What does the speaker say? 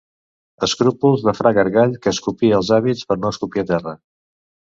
Escrúpols de fra Gargall que escopia als hàbits per no escopir a terra.